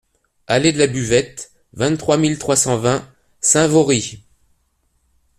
Allée de la Buvette, vingt-trois mille trois cent vingt Saint-Vaury